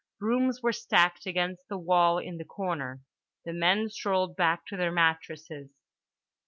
Brooms were stacked against the wall in the corner. The men strolled back to their mattresses.